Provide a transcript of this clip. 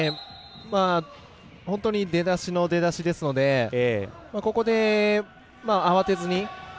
出だしの出だしですのでここで、慌てずに。